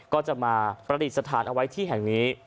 ก็จะมาประดิษฐานเอาไว้ที่แห่งนี้